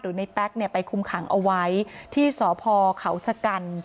ในแป๊กไปคุมขังเอาไว้ที่สพเขาชะกัน